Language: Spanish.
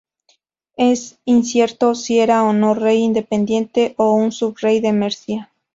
Es incierto si era o no un rey independiente o un sub-rey de Mercia.